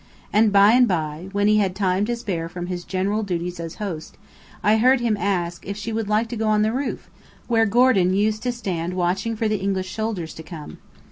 And by and by, when he had time to spare from his general duties as host, I heard him ask if she would like to go on the roof, where Gordon used to stand watching for the English soldiers to come.